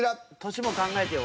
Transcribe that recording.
年も考えてよ